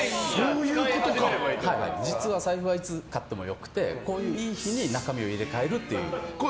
実は財布はいつ買っても良くてこういういい日に中身を入れ替えるという。